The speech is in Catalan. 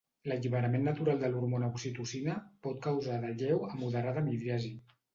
L'alliberament natural de l'hormona oxitocina pot causar de lleu a moderada midriasi.